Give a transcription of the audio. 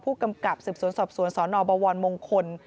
ผู้กำกับศึกษวนศอบสวนศนบมงคล